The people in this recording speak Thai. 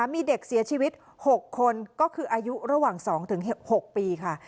มีเด็กเสียชีวิต๖คนก็คืออายุระหว่าง๒๖ปีค่ะ